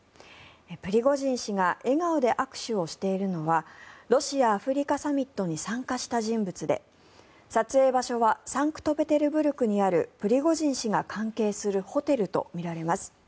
プリゴジン氏が笑顔で握手をしているのはロシア・アフリカサミットに参加した人物で撮影場所はサンクトペテルブルクにあるプリゴジン氏が関係するホテルとみられます。